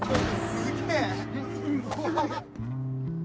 すげえ！